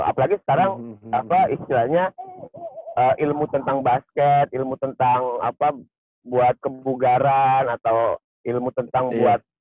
apalagi sekarang apa istilahnya ilmu tentang basket ilmu tentang apa buat kebugaran atau ilmu tentang buat